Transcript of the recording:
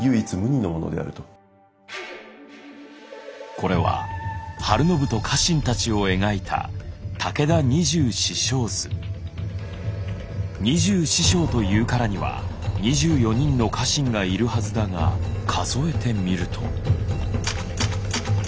これは晴信と家臣たちを描いた二十四将というからには２４人の家臣がいるはずだが数えてみると。